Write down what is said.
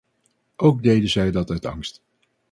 Ook deden zij dat uit angst.